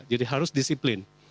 jadi harus disiplin